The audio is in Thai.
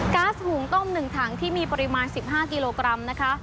๊าซหุงต้ม๑ถังที่มีปริมาณ๑๕กิโลกรัมนะคะ